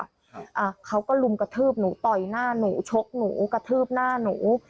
อ่าเขาก็ลุมกระทืบหนูต่อยหน้าหนูชกหนูกระทืบหน้าหนู